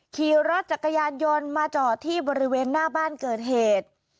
ขี่รถจักรยานยนต์มาจอดที่บริเวณหน้าบ้านเกิดเหตุ